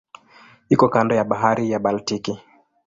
Iko kando ya Bahari ya Baltiki.